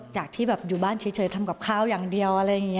จากที่แบบอยู่บ้านเฉยทำกับข้าวอย่างเดียวอะไรอย่างนี้